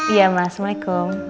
iya ma assalamualaikum